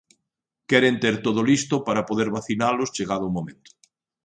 Queren ter todo listo para poder vacinalos chegado o momento.